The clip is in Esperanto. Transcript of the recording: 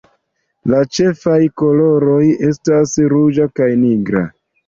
La ĉefaj koloroj estas ruĝa kaj nigra.